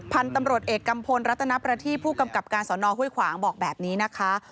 พันธุ์ตำรวจเอกกัมพลรัตนประทีผู้กำกับการสอนอห้วยขวางบอกแบบนี้นะคะ